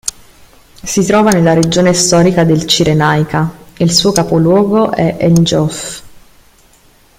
Si trova nella regione storica del Cirenaica e il suo capoluogo è el-Giof.